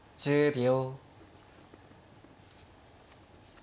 １０秒。